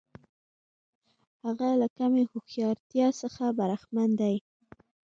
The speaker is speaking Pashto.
هغه له کمې هوښیارتیا څخه برخمن دی.